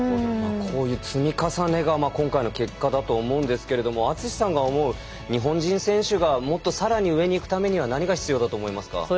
こういう積み重ねが今回の結果だと思うのですがあつしさんが思う日本人選手がもっとさらに上にいくためには何が必要だと思いますか？